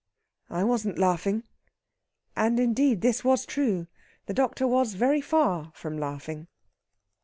"I wasn't laughing." And, indeed, this was true. The doctor was very far from laughing.